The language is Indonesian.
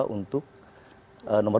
dua puluh empat dua untuk nomor dua